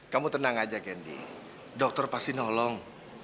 kamu tenang aja kendi dokter pasti nolong